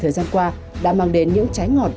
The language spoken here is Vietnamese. thời gian qua đã mang đến những trái ngọt